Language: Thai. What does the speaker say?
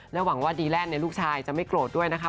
หวังว่าดีแลนด์ลูกชายจะไม่โกรธด้วยนะคะ